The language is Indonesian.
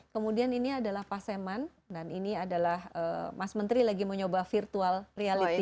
kemudian ini adalah paseman dan ini adalah mas menteri lagi mencoba virtual reality